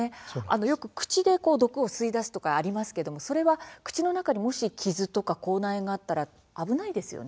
よく口で毒を吸い出すとかありますが口の中にもし傷や口内炎があったら危ないですよね。